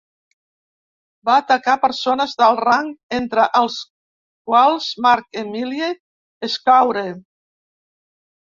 Va atacar persones d'alt rang entre els quals Marc Emili Escaure.